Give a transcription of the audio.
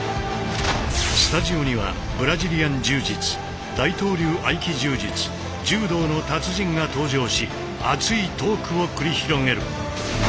スタジオにはブラジリアン柔術大東流合気柔術柔道の達人が登場し熱いトークを繰り広げる。